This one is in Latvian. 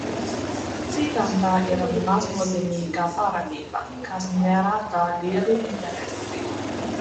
Citām tā ir maznozīmīga parādība, kas nerada lielu interesi.